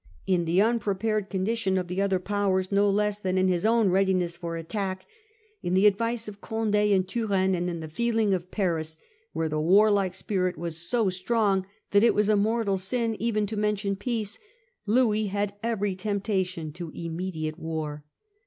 In the unprepared condition of the other powers, no less than in his own readiness for attack, in the advice of Cond6 and Turenne, and in the feeling of Paris, where the warlike spirit was so strong that it was 'a mortal sin even to mention peace,' Louis had every temptation to immediate war.